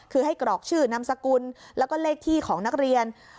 คือให้กรอกชื่อนามสกุลแล้วก็เลขที่ของนักเรียน